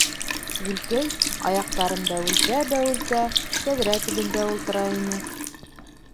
Гөлкәй, аяҡтарын бәүелтә-бәүелтә, тәҙрә төбөндә ултыра ине.